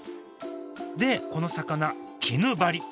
でこの魚キヌバリ。